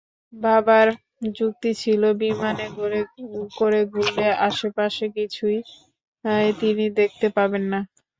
বাবার যুক্তি ছিল বিমানে করে ঘুরলে আশপাশের কিছুই তিনি দেখতে পাবেন না।